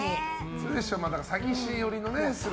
鶴瓶師匠も詐欺師寄りのね。